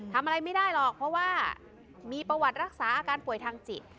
ทำอะไรไม่ได้หรอกเพราะว่ามีประวัติรักษาอาการป่วยทางจิต